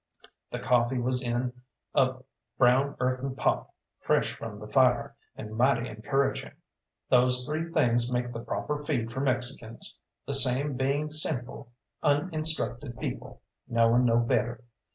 The coffee was in a brown earthen pot, fresh from the fire, and mighty encouraging. Those three things make the proper feed for Mexicans, the same being simple, uninstructed people, knowing no better.